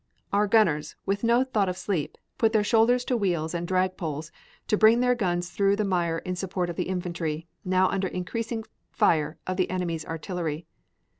Our gunners, with no thought of sleep, put their shoulders to wheels and dragropes to bring their guns through the mire in support of the infantry, now under the increasing fire of the enemy's artillery.